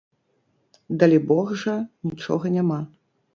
Далібог жа, нічога няма.